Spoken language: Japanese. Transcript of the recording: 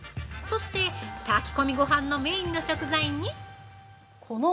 そして、炊き込みごはんのメインの食材に◆